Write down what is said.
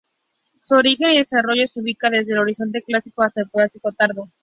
Su origen y desarrollo se ubica desde el Horizonte Clásico hasta el Posclásico tardío.